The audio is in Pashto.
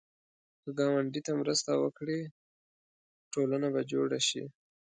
که ګاونډي ته مرسته وکړې، ټولنه به جوړه شي